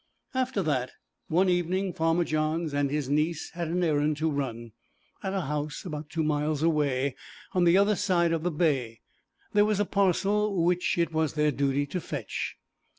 After that, one evening, Farmer Johns and his niece had an errand to run; at a house about two miles away on the other side of the bay there was a parcel which it was their duty to fetch.